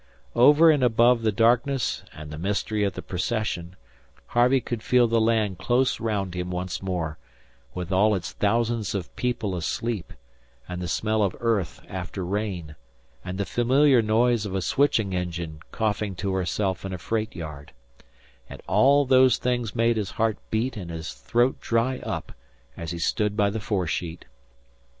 Over and above the darkness and the mystery of the procession, Harvey could feel the land close round him once more, with all its thousands of people asleep, and the smell of earth after rain, and the familiar noise of a switching engine coughing to herself in a freight yard; and all those things made his heart beat and his throat dry up as he stood by the foresheet.